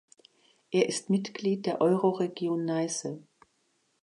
Er ist Mitglied der Euroregion Neiße.